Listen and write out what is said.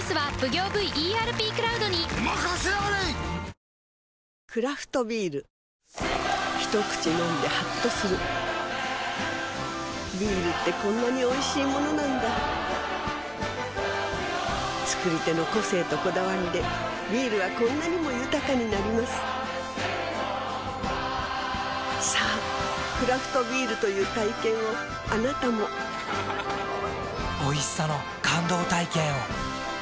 ポリグリップクラフトビール一口飲んでハッとするビールってこんなにおいしいものなんだ造り手の個性とこだわりでビールはこんなにも豊かになりますさぁクラフトビールという体験をあなたもおいしさの感動体験を。